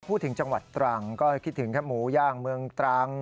พูดถึงจังหวัดตรังก็คิดถึงแค่หมูย่างเมืองตรัง